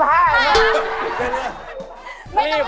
ได้เรียนไหม